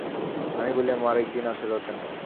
আমি বললাম, আরেক দিন আসার দরকার নেই।